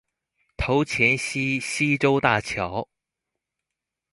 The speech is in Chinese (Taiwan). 頭前溪溪州大橋